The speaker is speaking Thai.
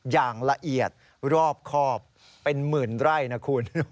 อย่างละเอียดรอบครอบเป็นหมื่นไร่นะคุณ